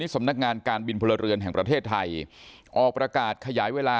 สำนักงานการบินพลเรือนแห่งประเทศไทยออกประกาศขยายเวลา